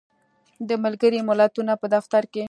د ملګری ملتونو په دفتر کې